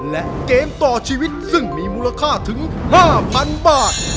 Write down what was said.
และเกมต่อชีวิตซึ่งมีมูลค่าถึง๕๐๐๐บาท